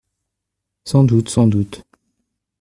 Sans doute… sans doute.